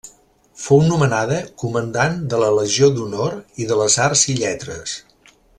Fou nomenada comandant de la Legió d'Honor i de les Arts i Lletres.